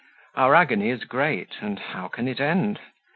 Our agony is great, and how can it end?